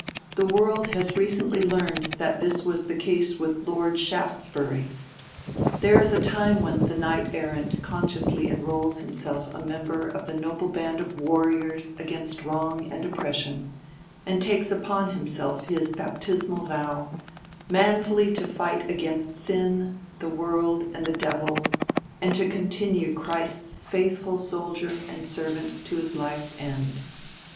The world has recently learned that this was the case with Lord Shaftesbury. There is a time when the knight errant consciously enrols himself a member of the noble band of warriors against wrong and oppression, and takes upon himself his baptismal vow—manfully to fight against sin, the world, and the devil, and to continue Christ's faithful soldier and servant to his life's end.